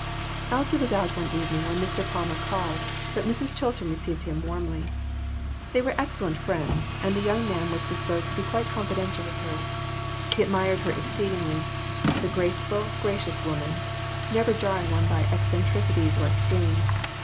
Elsie was out one evening when Mr. Palmer called, but Mrs. Chilton received him warmly. They were excellent friends, and the young man was disposed to be quite confidential with her. He admired her exceedingly the graceful, gra cious woman, never jarring one by eccentricities or extremes.